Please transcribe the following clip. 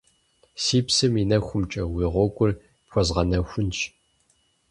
Си псэм и нэхумкӏэ, уи гъуэгур пхуэзгъэнэхунщ.